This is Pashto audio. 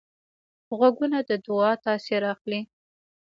غوږونه د دعا تاثیر اخلي